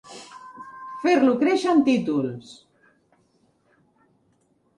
Fer-lo créixer en títols.